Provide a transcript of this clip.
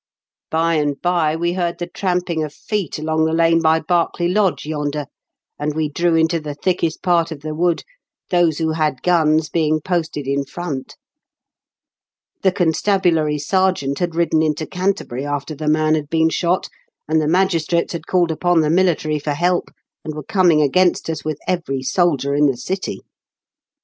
150 IN KENT WITH CHABLE8 DICKENS. "By and by we heard the tramping of feet along the lane by Berkeley Lodge yonder, and we drew into the thickest part of the wood, those who had guns being posted in front. The constabulary sergeant had ridden into Canterbury, after the man had been shot, and the magistrates had called upon the military for help, and were coming against us with every soldier in the city.